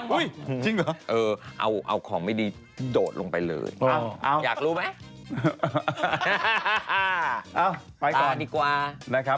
รึเปล่าอือทุกวันนี้โผล่ไปมองตลอดเวลา